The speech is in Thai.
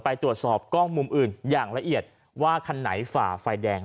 ไปตรวจสอบกล้องมุมอื่นอย่างละเอียดว่าคันไหนฝ่าไฟแดง